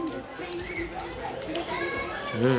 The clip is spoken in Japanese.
うん。